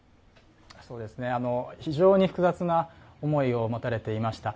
非常に複雑な思いを持たれていました。